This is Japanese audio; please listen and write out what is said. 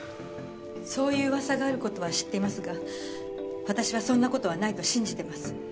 そういう噂がある事は知っていますが私はそんな事はないと信じてます。